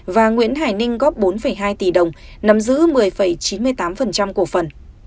và nguyễn hải ninh góp bốn hai tỷ đồng nắm giữ một mươi chín mươi tám cổ phần